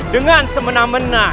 dengan semena mena